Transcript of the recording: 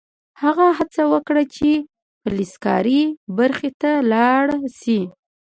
هغه هڅه وکړه چې فلزکاري برخې ته لاړ شي